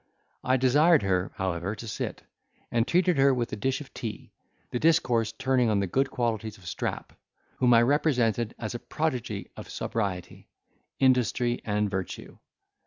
I desired her, however, to sit, and treated her with a dish of tea; the discourse turning on the good qualities of Strap, whom I represented as a prodigy of sobriety, industry and virtue.